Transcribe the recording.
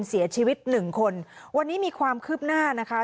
เสียชีวิตหนึ่งคนวันนี้มีความคืบหน้านะคะ